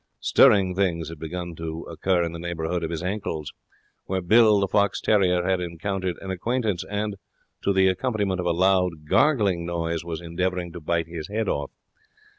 Stirring things had begun to occur in the neighbourhood of his ankles, where Bill, the fox terrier, had encountered an acquaintance, and, to the accompaniment of a loud, gargling noise, was endeavouring to bite his head off.